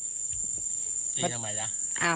ตีทำไมล่ะ